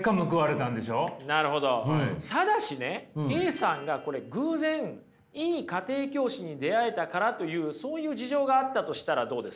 ただしねＡさんが偶然いい家庭教師に出会えたからというそういう事情があったとしたらどうです？